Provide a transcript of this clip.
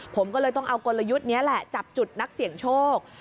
ผมก็เลยต้องเอากลยุทธ์นี้แหละจับจุดนักเสี่ยงโชค